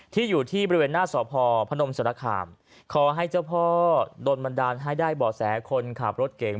อยู่ที่บริเวณหน้าสพพนมสรคามขอให้เจ้าพ่อโดนบันดาลให้ได้บ่อแสคนขับรถเก่ง